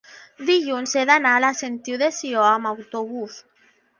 dilluns he d'anar a la Sentiu de Sió amb autobús.